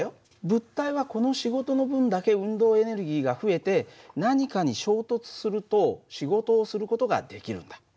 物体はこの仕事の分だけ運動エネルギ−が増えて何かに衝突すると仕事をする事ができるんだ。